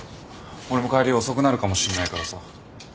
俺も帰り遅くなるかもしんないからさ。